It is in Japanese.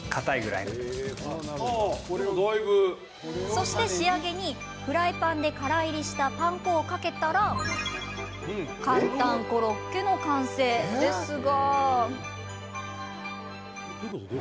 そして、仕上げにフライパンでからいりしたパン粉をかけたら簡単コロッケの完成ですが。